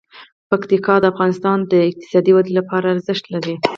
پکتیکا د افغانستان د اقتصادي ودې لپاره ارزښت لري.